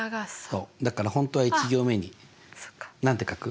そうだから本当は１行目に何て書く？